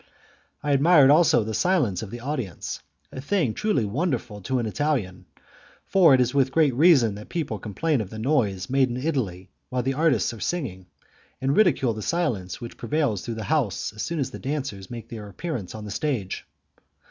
I admired also the silence of the audience, a thing truly wonderful to an Italian, for it is with great reason that people complain of the noise made in Italy while the artists are singing, and ridicule the silence which prevails through the house as soon as the dancers make their appearance on the stage.